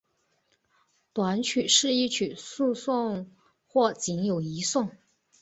短曲是一曲数颂或仅有一颂。